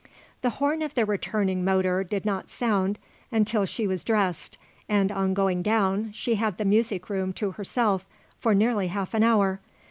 The horn of the returning motor did not sound until she was dressed and on going down she had the music room to herself for nearly half an hour.